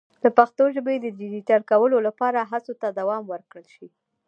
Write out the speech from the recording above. د پښتو ژبې د ډیجیټل کولو لپاره دې هڅو ته دوام ورکړل شي.